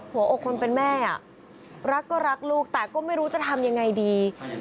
หัวอกคนเป็นแม่รักก็รักลูกแต่ก็ไม่รู้จะทำยังไงดี